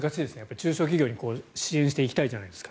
中小企業に支援していきたいじゃないですか。